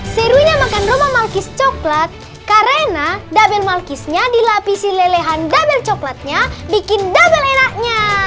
serunya makan roma malkis coklat karena dabel malkisnya dilapisi lelehan dabel coklatnya bikin dabel enaknya